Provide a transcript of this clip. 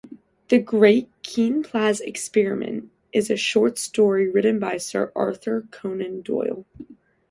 "The Great Keinplatz Experiment" is a short story written by Sir Arthur Conan Doyle.